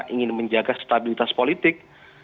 ingin menjaga stabilitas politik